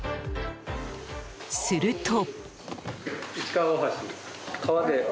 すると。